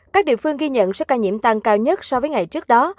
các địa phương ghi nhận số ca nhiễm tăng cao nhất so với ngày trước đó